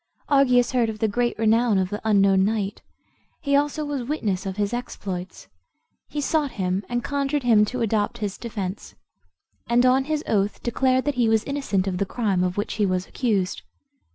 Argius heard of the great renown of the unknown knight; he also was witness of his exploits. He sought him, and conjured him to adopt his defence, and on his oath declared that he was innocent of the crime of which he was accused.